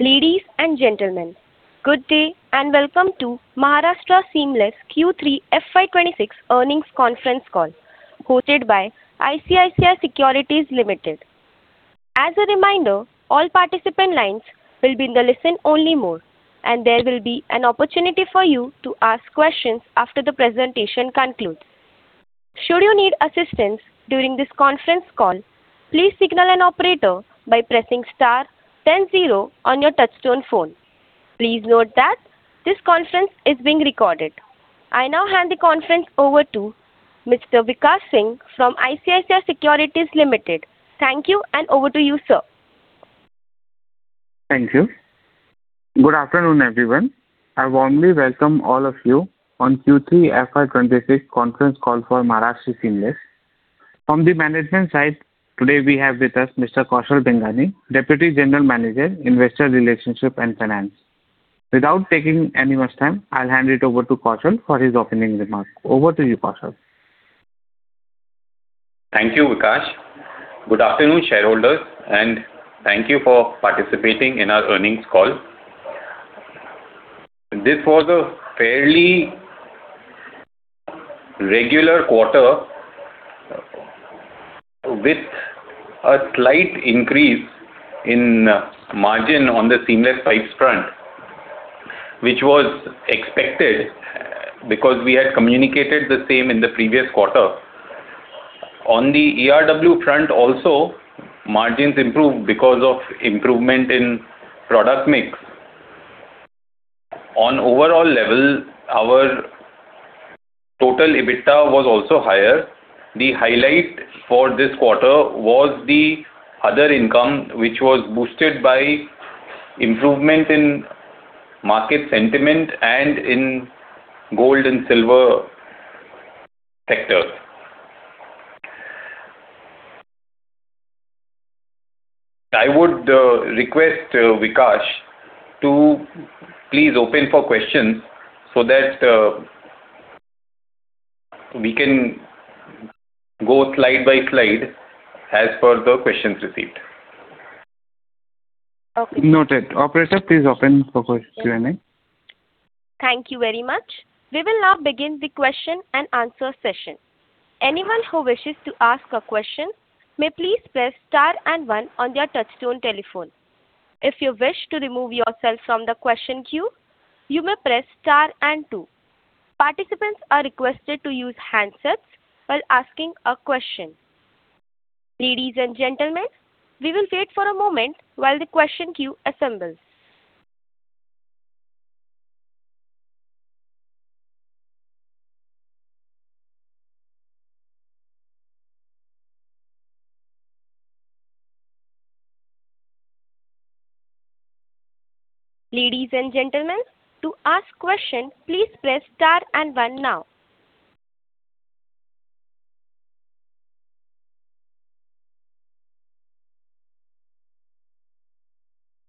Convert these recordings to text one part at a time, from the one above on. Ladies and gentlemen, good day and welcome to Maharashtra Seamless Q3 FY 2026 earnings conference call, hosted by ICICI Securities Limited. As a reminder, all participant lines will be in the listen-only mode, and there will be an opportunity for you to ask questions after the presentation concludes. Should you need assistance during this conference call, please signal an operator by pressing star 10 zero on your touch-tone phone. Please note that this conference is being recorded. I now hand the conference over to Mr. Vikash Singh from ICICI Securities Limited. Thank you, and over to you, sir. Thank you. Good afternoon, everyone. I warmly welcome all of you on Q3 FY 2026 conference call for Maharashtra Seamless. From the management side, today we have with us Mr. Kaushal Bengani, Deputy General Manager, Investor Relationship and Finance. Without taking any more time, I'll hand it over to Kaushal for his opening remark. Over to you, Kaushal. Thank you, Vikash. Good afternoon, shareholders, and thank you for participating in our earnings call. This was a fairly regular quarter, with a slight increase in margin on the seamless pipes front, which was expected because we had communicated the same in the previous quarter. On the ERW front also, margins improved because of improvement in product mix. On overall level, our total EBITDA was also higher. The highlight for this quarter was the other income, which was boosted by improvement in market sentiment and in gold and silver sector. I would request, Vikash, to please open for questions so that we can go slide by slide as per the questions received. Okay. Noted. Operator, please open for questions. Thank you very much. We will now begin the question and answer session. Anyone who wishes to ask a question may please press star and one on their touch-tone telephone. If you wish to remove yourself from the question queue, you may press star and two. Participants are requested to use handsets while asking a question. Ladies and gentlemen, we will wait for a moment while the question queue assembles. Ladies and gentlemen, to ask questions, please press star and one now.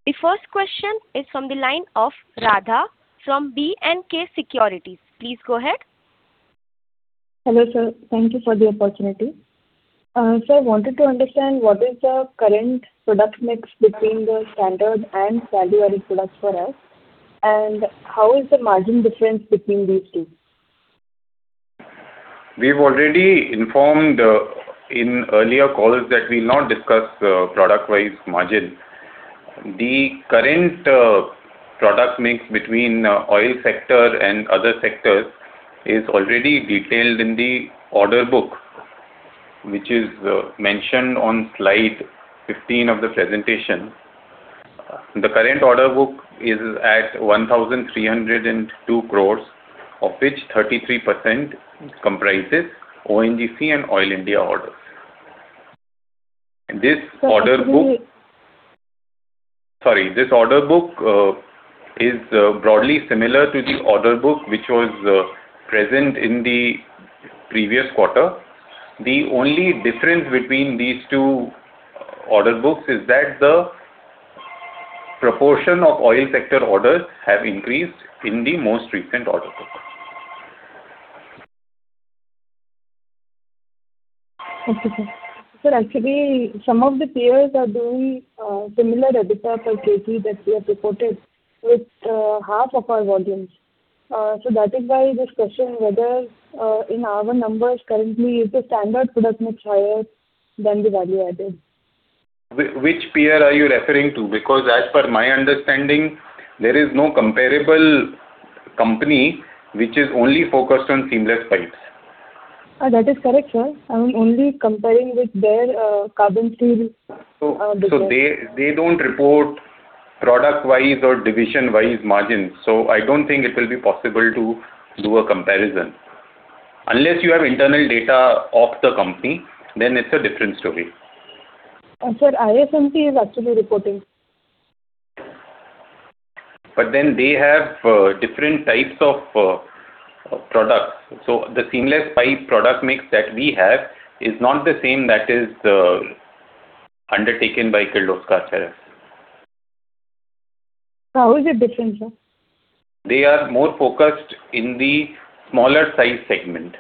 The first question is from the line of Radha from B&K Securities. Please go ahead. Hello, sir. Thank you for the opportunity. Sir, I wanted to understand what is the current product mix between the standard and value-added products for us, and how is the margin difference between these two? We've already informed in earlier calls that we'll not discuss product-wise margin. The current product mix between oil sector and other sectors is already detailed in the order book, which is mentioned on slide 15 of the presentation. The current order book is at 1,302 crores, of which 33% comprises ONGC and Oil India orders. This order book, sorry, this order book is broadly similar to the order book which was present in the previous quarter. The only difference between these two order books is that the proportion of oil sector orders has increased in the most recent order book. Thank you, sir. Actually, some of the peers are doing similar EBITDA per kg that we have reported with half of our volumes. So that is why this question, whether in our numbers currently, is the standard product mix higher than the value-added? Which peer are you referring to? Because as per my understanding, there is no comparable company which is only focused on seamless pipes. That is correct, sir. I'm only comparing with their carbon steel business. So they don't report product-wise or division-wise margins. So I don't think it will be possible to do a comparison. Unless you have internal data of the company, then it's a different story. Sir, ISMT is actually reporting. But then they have different types of products. So the seamless pipe product mix that we have is not the same that is undertaken by Kirloskar Ferrous. How is it different, sir? They are more focused in the smaller size segment.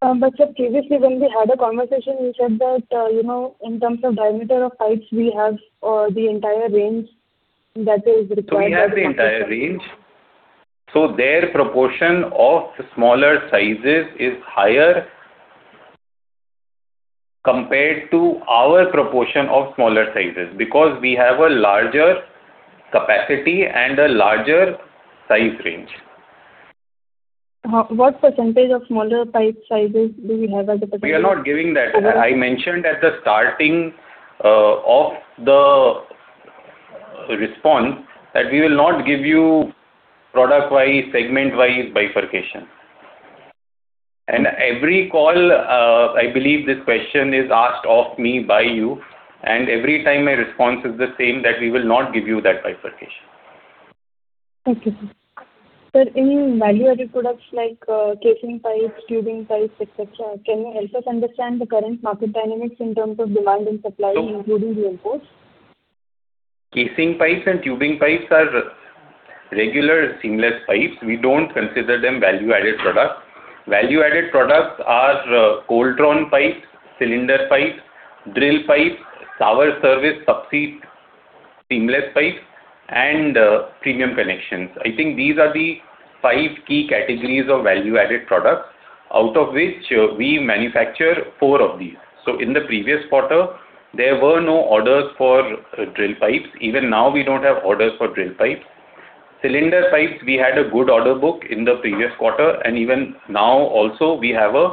But sir, previously when we had a conversation, you said that in terms of diameter of pipes, we have the entire range that is required. We have the entire range. Their proportion of smaller sizes is higher compared to our proportion of smaller sizes because we have a larger capacity and a larger size range. What percentage of smaller pipe sizes do we have as a percentage? We are not giving that. I mentioned at the starting of the response that we will not give you product-wise, segment-wise bifurcation. Every call, I believe this question is asked of me by you, and every time my response is the same that we will not give you that bifurcation. Thank you, sir. Sir, in value-added products like casing pipes, tubing pipes, etc., can you help us understand the current market dynamics in terms of demand and supply, including the imports? Casing pipes and tubing pipes are regular seamless pipes. We don't consider them value-added products. Value-added products are cold-drawn pipes, cylinder pipes, drill pipes, sour service subsea seamless pipes, and premium connections. I think these are the five key categories of value-added products, out of which we manufacture four of these. So in the previous quarter, there were no orders for drill pipes. Even now, we don't have orders for drill pipes. Cylinder pipes, we had a good order book in the previous quarter, and even now also we have a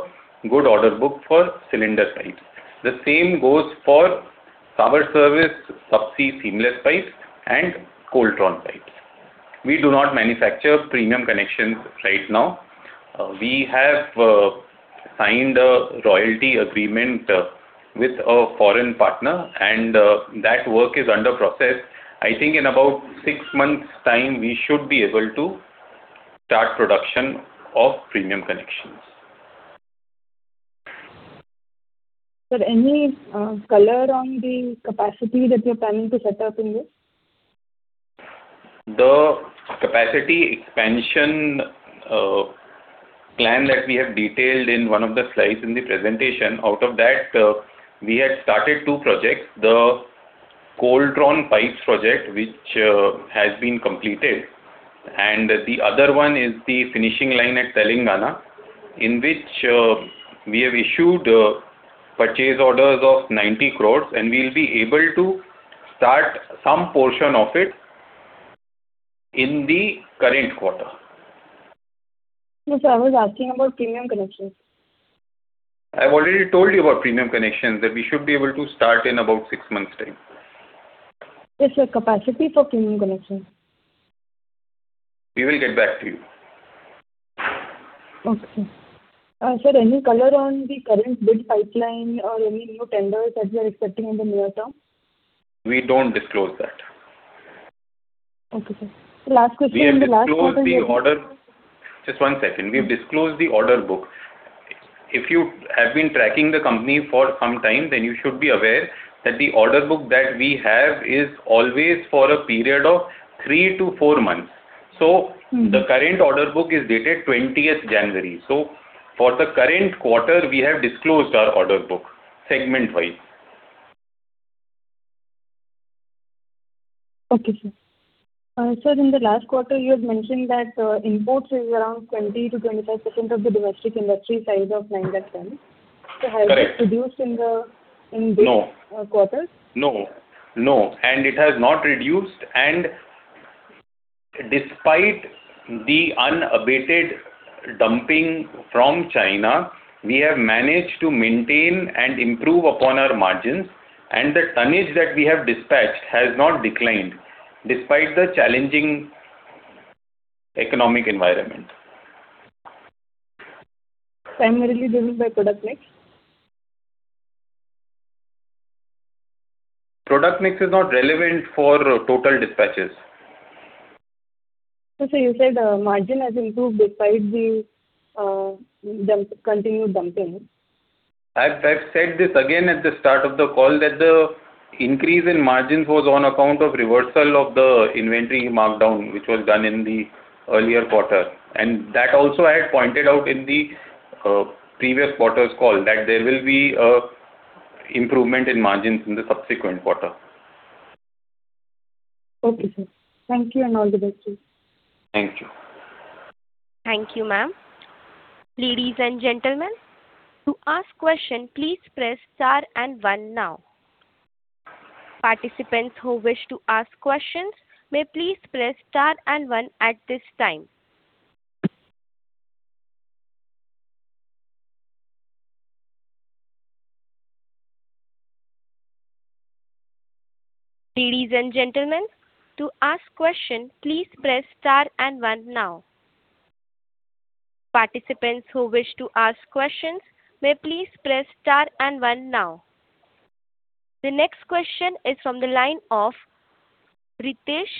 good order book for cylinder pipes. The same goes for sour service subsea seamless pipes and cold-drawn pipes. We do not manufacture premium connections right now. We have signed a royalty agreement with a foreign partner, and that work is under process. I think in about six months' time, we should be able to start production of premium connections. Sir, any color on the capacity that you're planning to set up in this? The capacity expansion plan that we have detailed in one of the slides in the presentation, out of that, we had started two projects: the cold-drawn pipes project, which has been completed, and the other one is the finishing line at Telangana, in which we have issued purchase orders of 90 crore, and we'll be able to start some portion of it in the current quarter. Sir, I was asking about premium connections. I've already told you about premium connections that we should be able to start in about six months' time. Yes, sir. Capacity for Premium connections. We will get back to you. Okay. Sir, any color on the current bid pipeline or any new tenders that you are expecting in the near term? We don't disclose that. Okay, sir. Last question. We have disclosed the order, just one second. We have disclosed the order book. If you have been tracking the company for some time, then you should be aware that the order book that we have is always for a period of three to four months. So the current order book is dated 20th January. So for the current quarter, we have disclosed our order book segment-wise. Okay, sir. Sir, in the last quarter, you had mentioned that imports is around 20%-25% of the domestic industry size of 90,000. Correct. So has it reduced in this quarter? No. No. It has not reduced. Despite the unabated dumping from China, we have managed to maintain and improve upon our margins, and the tonnage that we have dispatched has not declined despite the challenging economic environment. Primarily driven by product mix? Product mix is not relevant for total dispatches. Sir, you said the margin has improved despite the continued dumping. I've said this again at the start of the call that the increase in margins was on account of reversal of the inventory markdown, which was done in the earlier quarter. And that also I had pointed out in the previous quarter's call that there will be an improvement in margins in the subsequent quarter. Okay, sir. Thank you and all the best to you. Thank you. Thank you, ma'am. Ladies and gentlemen, to ask questions, please press star and one now. Participants who wish to ask questions may please press star and one at this time. Ladies and gentlemen, to ask questions, please press star and one now. Participants who wish to ask questions may please press star and one now. The next question is from the line of Ritesh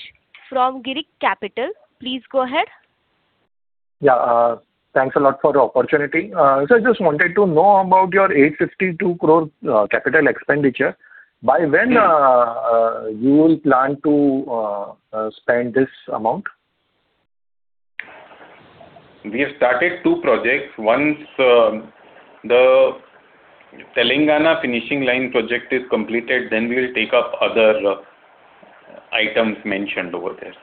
from Girik Capital. Please go ahead. Yeah. Thanks a lot for the opportunity. Sir, I just wanted to know about your 852 crore capital expenditure. By when you will plan to spend this amount? We have started two projects. Once the Telangana finishing line project is completed, then we will take up other items mentioned over there.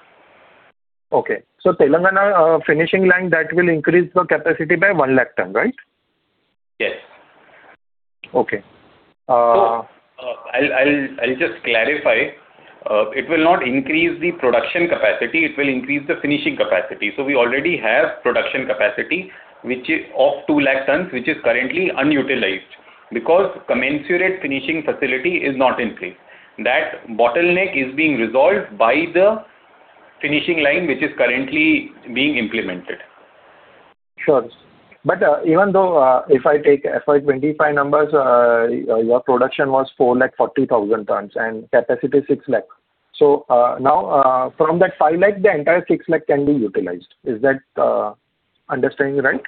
Okay. So Telangana finishing line, that will increase the capacity by 100,000 tons, right? Yes. Okay. I'll just clarify. It will not increase the production capacity. It will increase the finishing capacity. We already have production capacity of 200,000 tons, which is currently unutilized because the commensurate finishing facility is not in place. That bottleneck is being resolved by the finishing line, which is currently being implemented. Sure. But even though if I take FY 2025 numbers, your production was 440,000 tons and capacity 600,000. So now from that 500,000, the entire 600,000 can be utilized. Is that understanding right?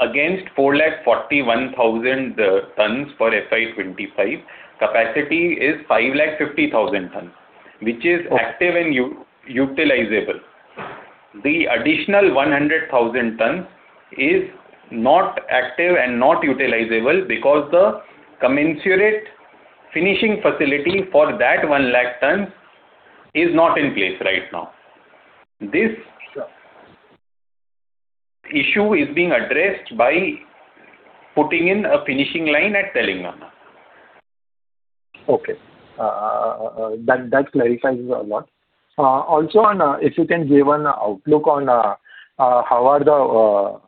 Against 441,000 tons for FY 2025, capacity is 550,000 tons, which is active and utilizable. The additional 100,000 tons is not active and not utilizable because the commensurate finishing facility for that 100,000 tons is not in place right now. This issue is being addressed by putting in a finishing line at Telangana. Okay. That clarifies a lot. Also, if you can give an outlook on how are the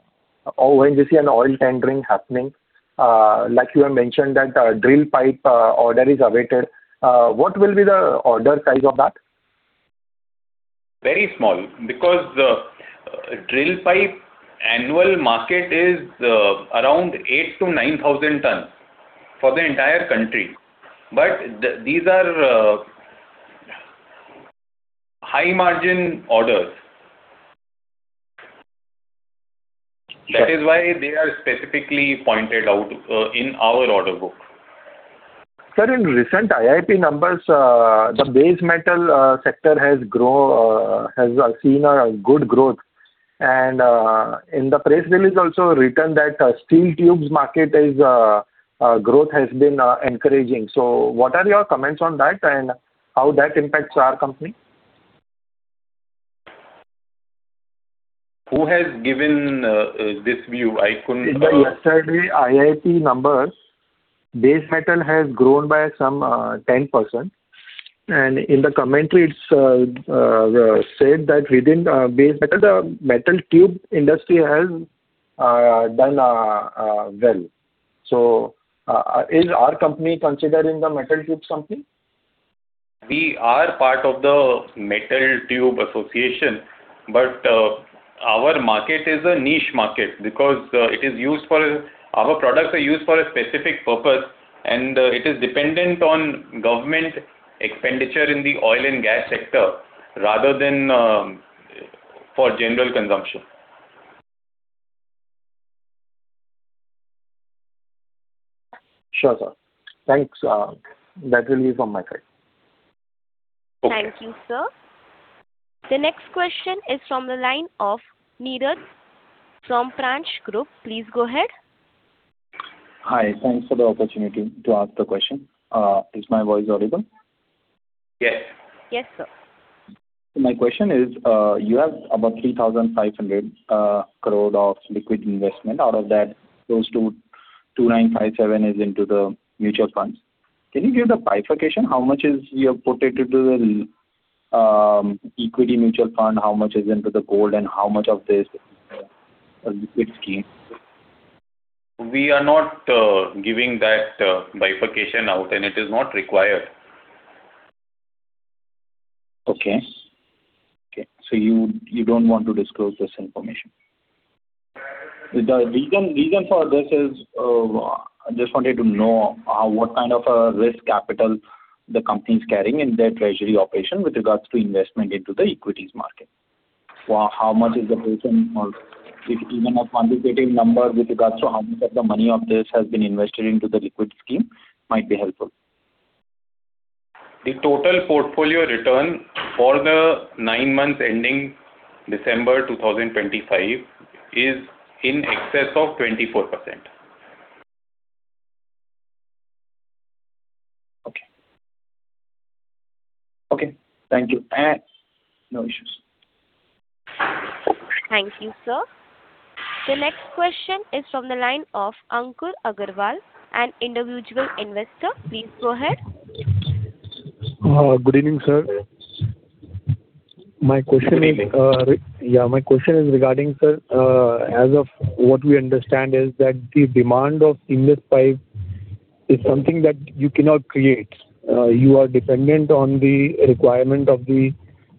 ONGC and Oil India tendering happening, like you have mentioned that drill pipe order is awaited, what will be the order size of that? Very small because the drill pipe annual market is around 8,000 tons-9,000 tons for the entire country. But these are high-margin orders. That is why they are specifically pointed out in our order book. Sir, in recent IIP numbers, the base metal sector has seen a good growth. In the press release also written that steel tubes market growth has been encouraging. What are your comments on that and how that impacts our company? Who has given this view? I couldn't. In yesterday's IIP numbers, base metal has grown by some 10%. In the commentary, it's said that within base metal, the metal tube industry has done well. So is our company considered in the metal tubes company? We are part of the metal tube association, but our market is a niche market because it is used for our products are used for a specific purpose, and it is dependent on government expenditure in the oil and gas sector rather than for general consumption. Sure, sir. Thanks. That will be from my side. Thank you, sir. The next question is from the line of Niraj from Pransh Group. Please go ahead. Hi. Thanks for the opportunity to ask the question. Is my voice audible? Yes. Yes, sir. My question is, you have about 3,500 crore of liquid investment. Out of that, close to 2,957 is into the mutual funds. Can you give the bifurcation? How much is your portion to the equity mutual fund? How much is into the gold, and how much of this liquid scheme? We are not giving that bifurcation out, and it is not required. Okay. Okay. So you don't want to disclose this information? The reason for this is I just wanted to know what kind of a risk capital the company is carrying in their treasury operation with regards to investment into the equities market. How much is the person, or even a quantitative number with regards to how much of the money of this has been invested into the liquid scheme might be helpful? The total portfolio return for the nine months ending December 2025 is in excess of 24%. Okay. Okay. Thank you. No issues. Thank you, sir. The next question is from the line of Ankur Agarwal, an individual investor. Please go ahead. Good evening, sir. My question is, yeah, my question is regarding, sir, as of what we understand is that the demand of seamless pipe is something that you cannot create. You are dependent on the requirement of the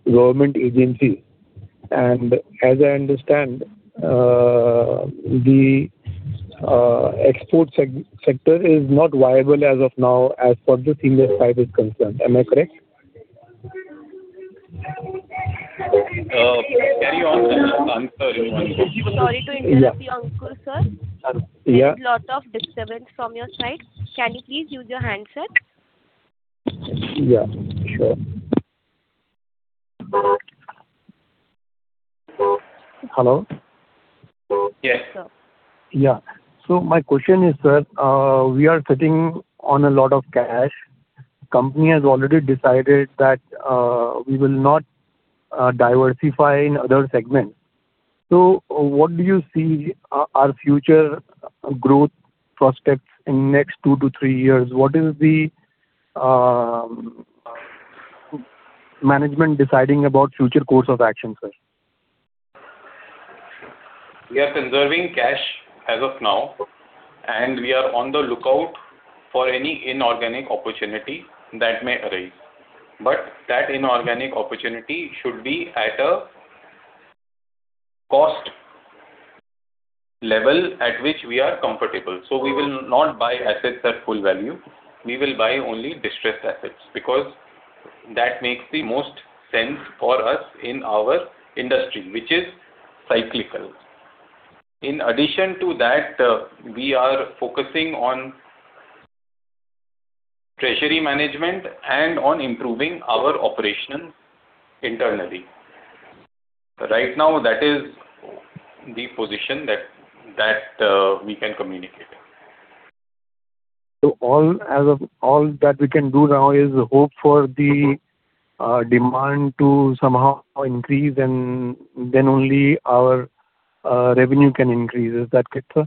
government agencies. And as I understand, the export sector is not viable as of now as far as the seamless pipe is concerned. Am I correct? Carry on, sir. Anyone? Sorry to interrupt you, Ankur, sir. There's a lot of disturbance from your side. Can you please use your hand, sir? Yeah. Sure. Hello? Yes. Yeah. So my question is, sir, we are sitting on a lot of cash. Company has already decided that we will not diversify in other segments. So what do you see our future growth prospects in the next 2-3 years? What is the management deciding about future course of action, sir? We are conserving cash as of now, and we are on the lookout for any inorganic opportunity that may arise. That inorganic opportunity should be at a cost level at which we are comfortable. We will not buy assets at full value. We will buy only distressed assets because that makes the most sense for us in our industry, which is cyclical. In addition to that, we are focusing on treasury management and on improving our operations internally. Right now, that is the position that we can communicate. All that we can do now is hope for the demand to somehow increase, and then only our revenue can increase. Is that it, sir?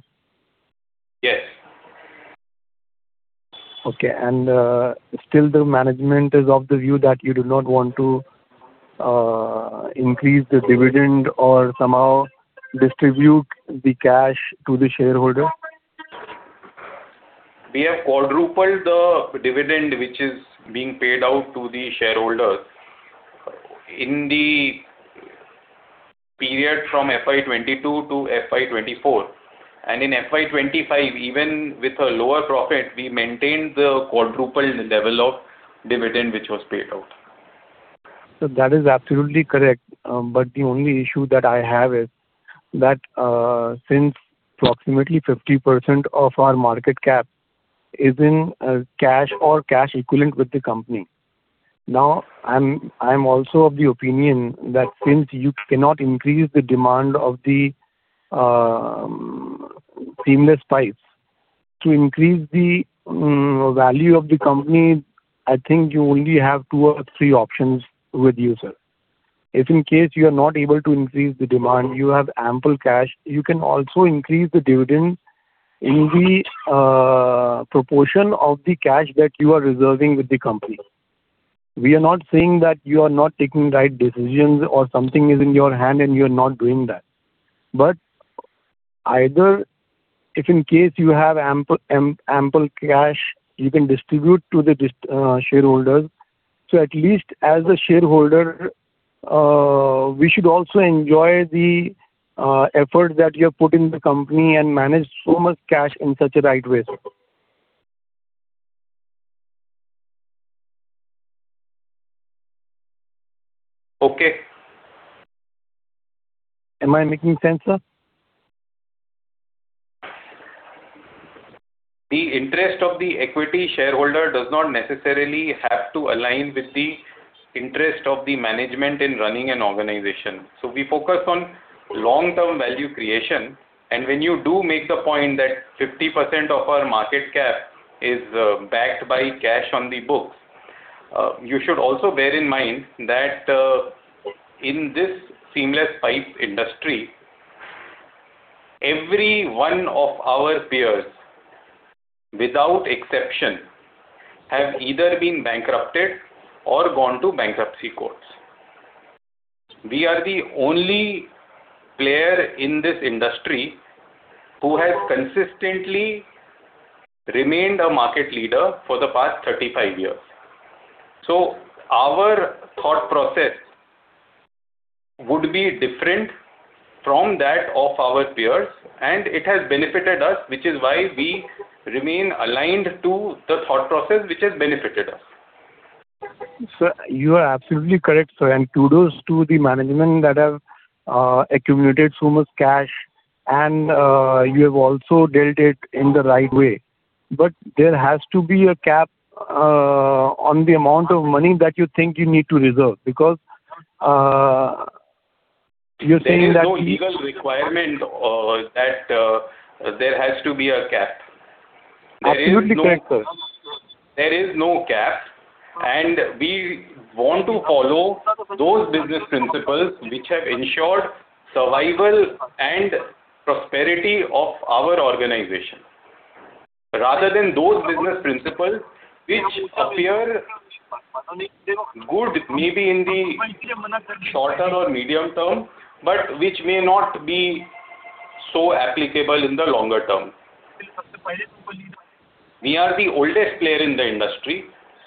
Yes. Okay. And still, the management is of the view that you do not want to increase the dividend or somehow distribute the cash to the shareholder? We have quadrupled the dividend, which is being paid out to the shareholders in the period from FY 2022 to FY 2024. In FY 2025, even with a lower profit, we maintained the quadrupled level of dividend, which was paid out. So that is absolutely correct. But the only issue that I have is that since approximately 50% of our market cap is in cash or cash equivalent with the company, now I'm also of the opinion that since you cannot increase the demand of the seamless pipes to increase the value of the company, I think you only have two or three options with you, sir. If in case you are not able to increase the demand, you have ample cash, you can also increase the dividend in the proportion of the cash that you are reserving with the company. We are not saying that you are not taking right decisions or something is in your hand and you are not doing that. But either if in case you have ample cash, you can distribute to the shareholders. At least as a shareholder, we should also enjoy the effort that you have put in the company and manage so much cash in such a right way, sir. Okay. Am I making sense, sir? The interest of the equity shareholder does not necessarily have to align with the interest of the management in running an organization. So we focus on long-term value creation. And when you do make the point that 50% of our market cap is backed by cash on the books, you should also bear in mind that in this seamless pipe industry, every one of our peers, without exception, have either been bankrupted or gone to bankruptcy courts. We are the only player in this industry who has consistently remained a market leader for the past 35 years. So our thought process would be different from that of our peers, and it has benefited us, which is why we remain aligned to the thought process which has benefited us. Sir, you are absolutely correct, sir. Kudos to the management that have accumulated so much cash, and you have also dealt it in the right way. There has to be a cap on the amount of money that you think you need to reserve because you're saying that. There is no legal requirement that there has to be a cap. Absolutely correct, sir. There is no cap, and we want to follow those business principles which have ensured survival and prosperity of our organization. Rather than those business principles which appear good maybe in the shorter or medium term, but which may not be so applicable in the longer term. We are the oldest player in the industry,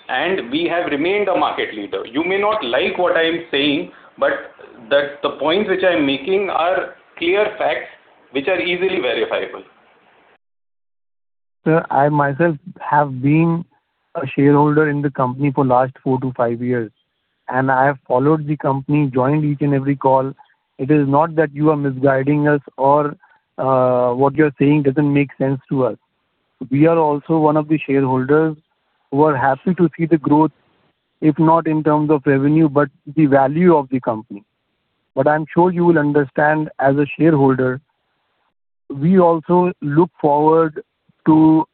and we have remained a market leader. You may not like what I am saying, but the points which I am making are clear facts which are easily verifiable. Sir, I myself have been a shareholder in the company for the last 4-5 years, and I have followed the company, joined each and every call. It is not that you are misguiding us or what you are saying doesn't make sense to us. We are also one of the shareholders who are happy to see the growth, if not in terms of revenue, but the value of the company. But I'm sure you will understand as a shareholder, we also look forward to.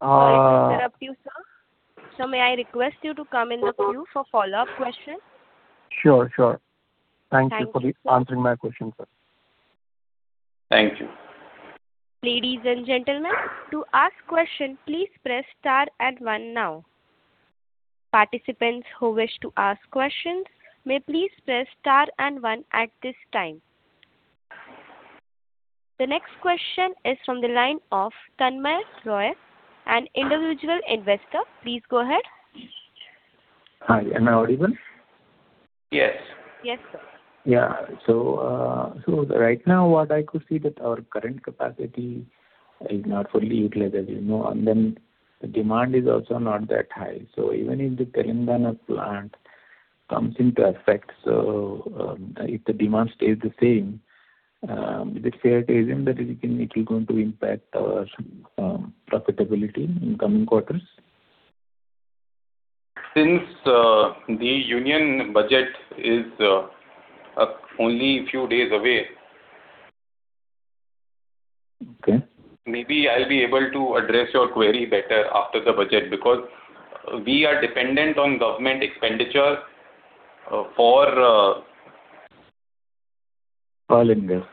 I interrupt you, sir. So may I request you to come in the queue for follow-up questions? Sure, sure. Thank you for answering my question, sir. Thank you. Ladies and gentlemen, to ask questions, please press star and one now. Participants who wish to ask questions, may please press star and one at this time. The next question is from the line of Tanmay Roy, an individual investor. Please go ahead. Am I audible? Yes. Yes, sir. Yeah. So right now, what I could see is that our current capacity is not fully utilized, as you know, and then the demand is also not that high. So even if the Telangana plant comes into effect, so if the demand stays the same, is it fair to assume that it will go into impact our profitability in coming quarters? Since the Union Budget is only a few days away, maybe I'll be able to address your query better after the budget because we are dependent on government expenditure for. Call in, sir.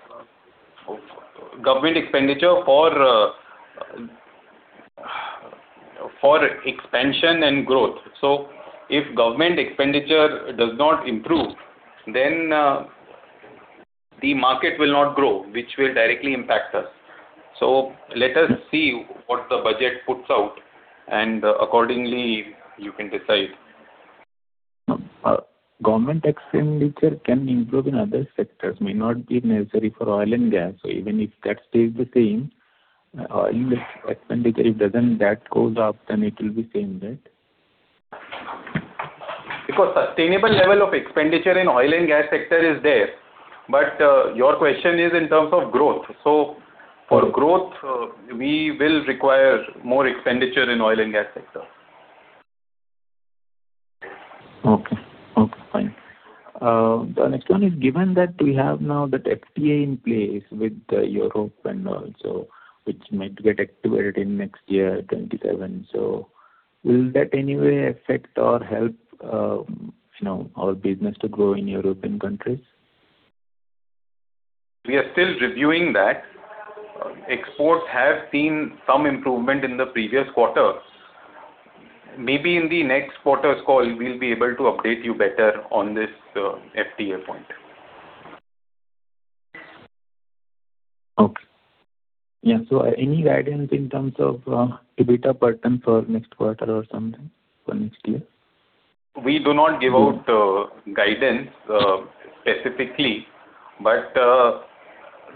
government expenditure for expansion and growth. So if government expenditure does not improve, then the market will not grow, which will directly impact us. So let us see what the budget puts out, and accordingly, you can decide. Government expenditure can improve in other sectors. It may not be necessary for oil and gas. So even if that stays the same, oil expenditure, if that goes up, then it will be same that. Because sustainable level of expenditure in oil and gas sector is there. But your question is in terms of growth. So for growth, we will require more expenditure in oil and gas sector. Okay. Okay. Fine. The next one is, given that we have now that FTA in place with Europe and also which might get activated in next year, 2027. So will that in any way affect or help our business to grow in European countries? We are still reviewing that. Exports have seen some improvement in the previous quarter. Maybe in the next quarter's call, we'll be able to update you better on this FTA point. Okay. Yeah. So any guidance in terms of EBITDA pattern for next quarter or something for next year? We do not give out guidance specifically, but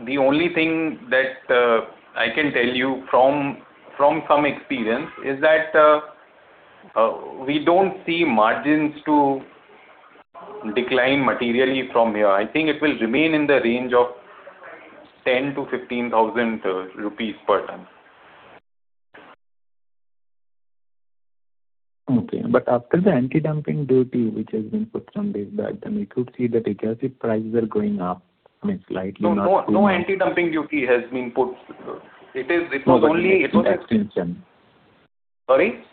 the only thing that I can tell you from some experience is that we don't see margins to decline materially from here. I think it will remain in the range of 10,000-15,000 rupees per ton. Okay. But after the anti-dumping duty, which has been put some days back, then we could see that the gas prices are going up, I mean, slightly. No anti-dumping duty has been put. It was only. It was an extension. Sorry?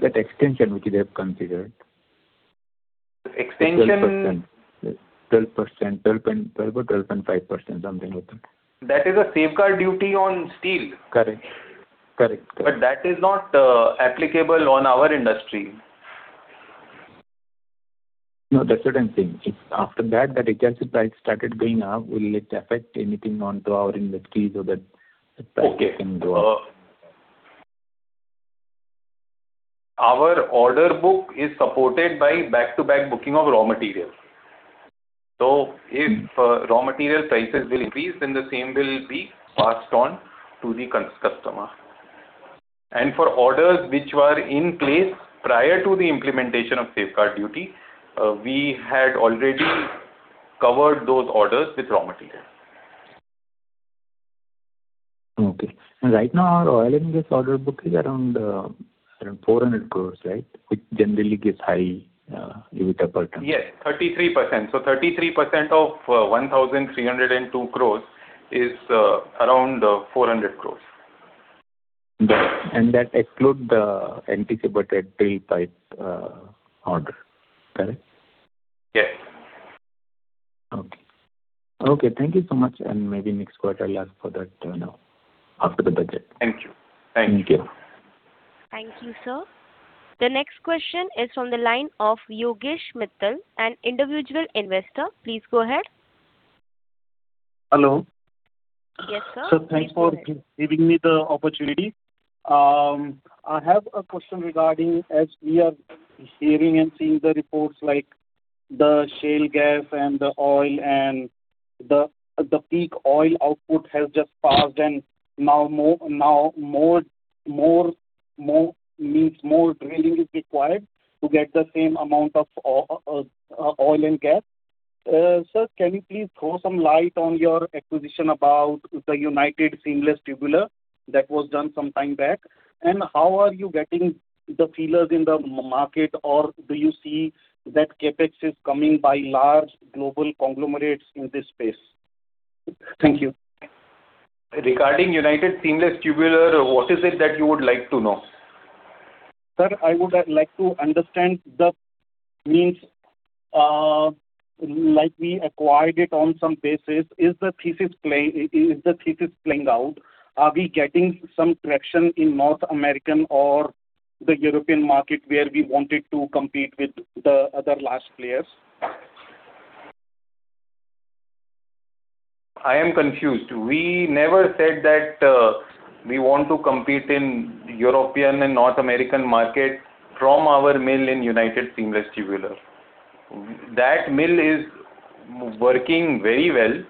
That extension, which they have considered. Extension. 12%. 12%. 12 or 12.5%, something like that. That is a Safeguard Duty on steel. Correct. Correct. But that is not applicable on our industry. No, that's what I'm saying. After that, the gas price started going up, will it affect anything onto our industry so that the price can go up? Our order book is supported by back-to-back booking of raw materials. If raw material prices will increase, then the same will be passed on to the customer. For orders which were in place prior to the implementation of Safeguard Duty, we had already covered those orders with raw materials. Okay. And right now, our oil and gas order book is around 400 crore, right? Which generally gives high EBITDA pattern. Yes. 33%. So 33% of 1,302 crores is around 400 crores. That excludes the anticipated drill pipe order. Correct? Yes. Okay. Okay. Thank you so much. And maybe next quarter, I'll ask for that now after the budget. Thank you. Thank you. Thank you. Thank you, sir. The next question is from the line of Yogesh Mittal, an individual investor. Please go ahead. Hello. Yes, sir. Sir, thanks for giving me the opportunity. I have a question regarding as we are hearing and seeing the reports like the shale gas and the oil and the peak oil output has just passed and now more drilling is required to get the same amount of oil and gas. Sir, can you please throw some light on your acquisition about the United Seamless Tubular that was done some time back? And how are you getting the feelers in the market, or do you see that CapEx is coming by large global conglomerates in this space? Thank you. Regarding United Seamless Tubular, what is it that you would like to know? Sir, I would like to understand the means like we acquired it on some basis. Is the thesis playing out? Are we getting some traction in North American or the European market where we wanted to compete with the other large players? I am confused. We never said that we want to compete in European and North American market from our mill in United Seamless Tubular. That mill is working very well.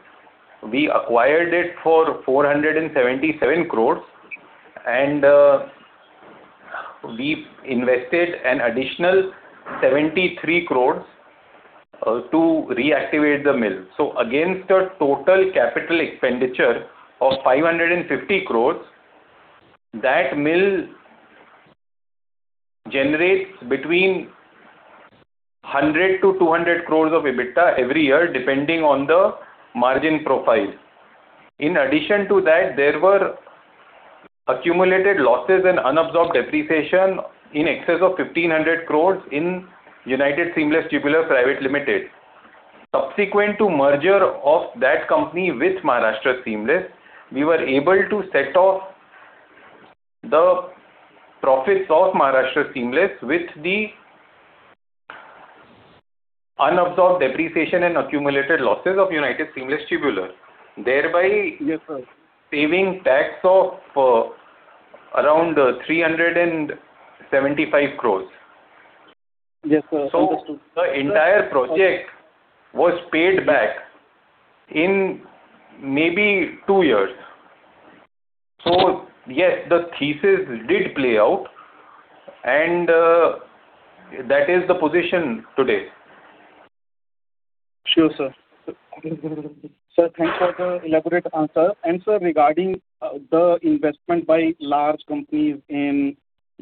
We acquired it for 477 crores, and we invested an additional 73 crores to reactivate the mill. So against a total capital expenditure of 550 crores, that mill generates between 100 crores-200 crores of EBITDA every year depending on the margin profile. In addition to that, there were accumulated losses and unabsorbed depreciation in excess of 1,500 crores in United Seamless Tubular Private Limited. Subsequent to merger of that company with Maharashtra Seamless, we were able to set off the profits of Maharashtra Seamless with the unabsorbed depreciation and accumulated losses of United Seamless Tubular, thereby saving tax of around 375 crores. Yes, sir. So the entire project was paid back in maybe two years. So yes, the thesis did play out, and that is the position today. Sure, sir. Sir, thanks for the elaborate answer. Sir, regarding the investment by large companies in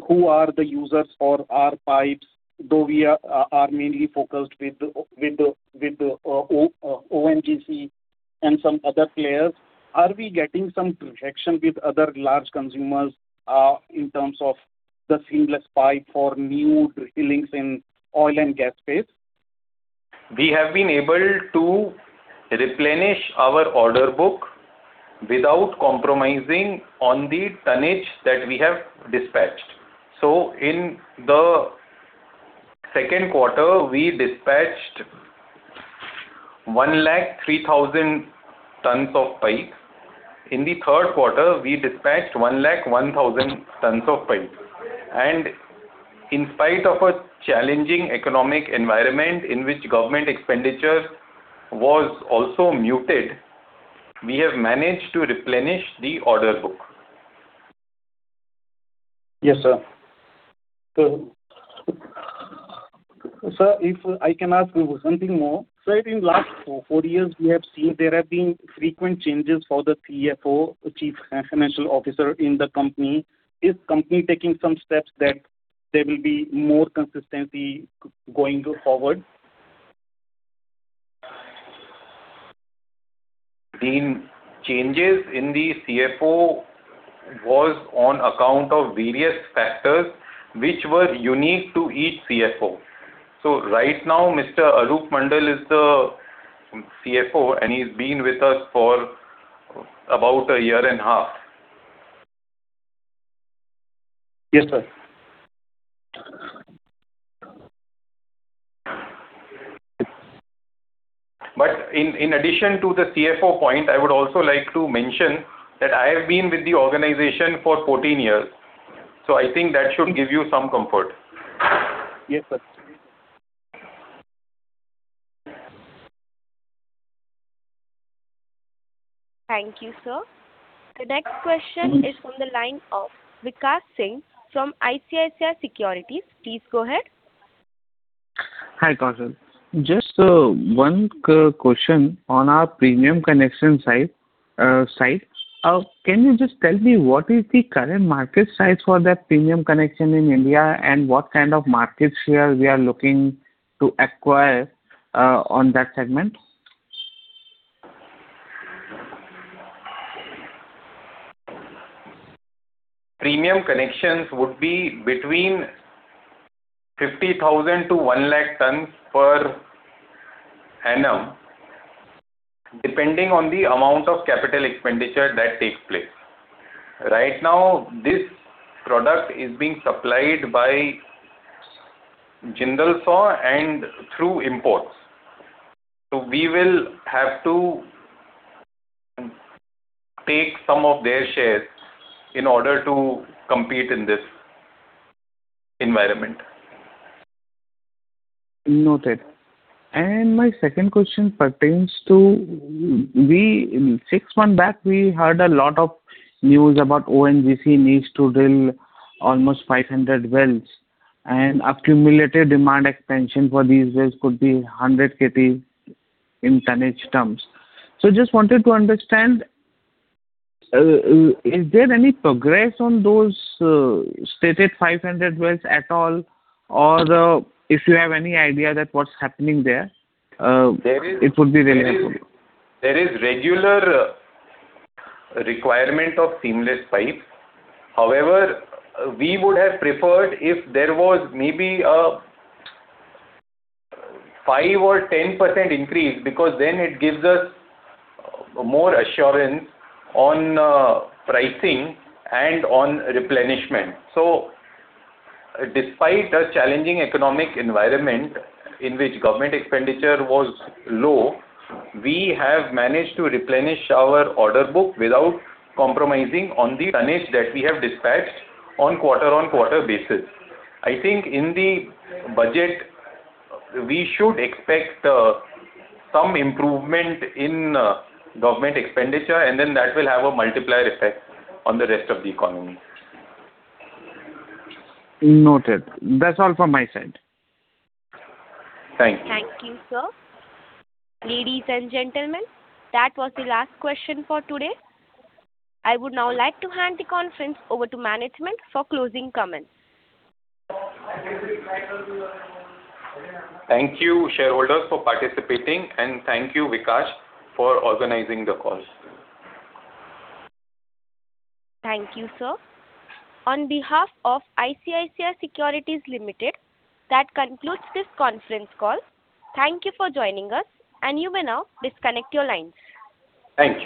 who are the users for our pipes, though we are mainly focused with ONGC and some other players, are we getting some traction with other large consumers in terms of the seamless pipe for new drillings in oil and gas space? We have been able to replenish our order book without compromising on the tonnage that we have dispatched. In the second quarter, we dispatched 103,000 tons of pipe. In the third quarter, we dispatched 101,000 tons of pipe. In spite of a challenging economic environment in which government expenditure was also muted, we have managed to replenish the order book. Yes, sir. Sir, if I can ask something more. Sir, in the last four years, we have seen there have been frequent changes for the CFO, Chief Financial Officer in the company. Is the company taking some steps that there will be more consistency going forward? The changes in the CFO was on account of various factors which were unique to each CFO. So right now, Mr. Arup Mandal is the CFO, and he's been with us for about a year and a half. Yes, sir. But in addition to the CFO point, I would also like to mention that I have been with the organization for 14 years. So I think that should give you some comfort. Yes, sir. Thank you, sir. The next question is from the line of Vikash Singh from ICICI Securities. Please go ahead. Hi Kaushal. Just one question on our premium connection side. Can you just tell me what is the current market size for that premium connection in India and what kind of markets we are looking to acquire on that segment? Premium connections would be between 50,000 to 1,000,000 tons per annum, depending on the amount of capital expenditure that takes place. Right now, this product is being supplied by Jindal Saw and through imports. We will have to take some of their shares in order to compete in this environment. Noted. My second question pertains to six months back, we heard a lot of news about ONGC needs to drill almost 500 wells, and accumulated demand expansion for these wells could be 100 KT in tonnage terms. So just wanted to understand, is there any progress on those stated 500 wells at all, or if you have any idea that what's happening there, it would be relevant for you? There is regular requirement of seamless pipe. However, we would have preferred if there was maybe a 5% or 10% increase because then it gives us more assurance on pricing and on replenishment. So despite a challenging economic environment in which government expenditure was low, we have managed to replenish our order book without compromising on the tonnage that we have dispatched on quarter-on-quarter basis. I think in the budget, we should expect some improvement in government expenditure, and then that will have a multiplier effect on the rest of the economy. Noted. That's all from my side. Thank you. Thank you, sir. Ladies and gentlemen, that was the last question for today. I would now like to hand the conference over to management for closing comments. Thank you, shareholders, for participating, and thank you, Vikash, for organizing the call. Thank you, sir. On behalf of ICICI Securities Limited, that concludes this conference call. Thank you for joining us, and you may now disconnect your lines. Thank you.